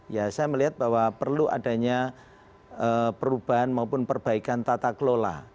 ya saya melihat bahwa perlu adanya perubahan maupun perbaikan tata kelola